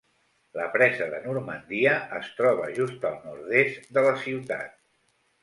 La presa de Normandia es troba just al nord-est de la ciutat.